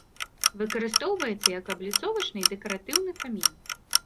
Выкарыстоўваецца як абліцовачны і дэкаратыўны камень.